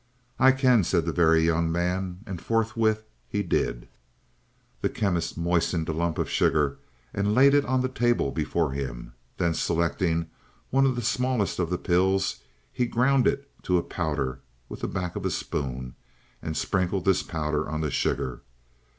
"I can," said the Very Young Man, and forthwith he did. The Chemist moistened a lump of sugar and laid it on the table before him. Then, selecting one of the smallest of the pills, he ground it to powder with the back of a spoon and sprinkled this powder on the sugar.